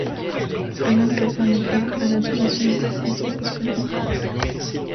Alain Casanova a la double nationalité française et espagnole.